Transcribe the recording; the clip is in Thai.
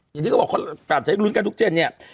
อย่างนี้ก็บอกการใช้ลุ้นกันทุกเจนเนี่ย